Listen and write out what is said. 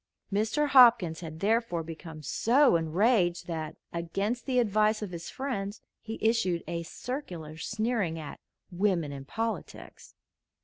Mr. Hopkins had therefore become so enraged that, against the advice of his friends, he issued a circular sneering at "Women in Politics."